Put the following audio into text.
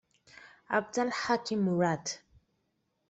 Abdal Hakim Murad.